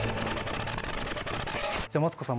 じゃマツコさん